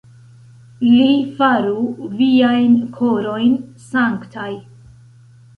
Li faru viajn korojn sanktaj.